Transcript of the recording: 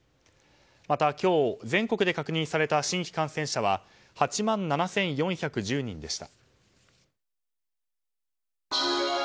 また今日、全国で確認された新規感染者は８万７４１０人でした。